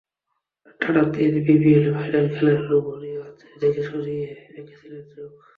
টানা তিন বিপিএলের ফাইনাল খেলার লোভনীয় হাতছানি থেকে সরিয়ে রেখেছিলেন চোখ।